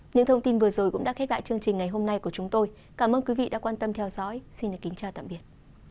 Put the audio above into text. những thông tin vừa rồi cũng đã khép lại chương trình ngày hôm nay của chúng tôi cảm ơn quý vị đã quan tâm theo dõi xin kính chào tạm biệt